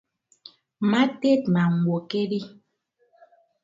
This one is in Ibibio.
Mma teedma ñwokedi.